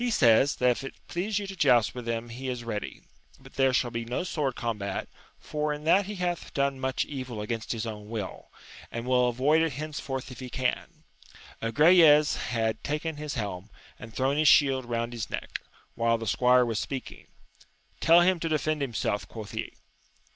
says, that if it please you to joust with him he is ready, but there shall be no sword combat, for in that he hath done much evil against his own will, and will avoid it henceforth if he can. Agrayes had taken his helm and thrown his shield round his neck, while the squire was speaking: tell him to defend himself! quoth he.